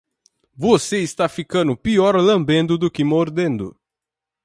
Você está ficando pior lambendo do que mordendo.